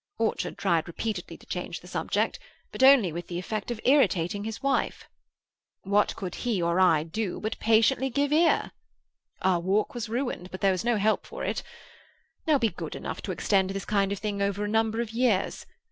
Orchard tried repeatedly to change the subject, but only with the effect of irritating his wife. What could he or I do but patiently give ear? Our walk was ruined, but there was no help for it. Now, be good enough to extend this kind of thing over a number of years.